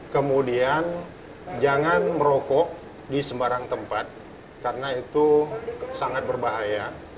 kemudian jangan merokok di sembarang tempat karena itu sangat berbahaya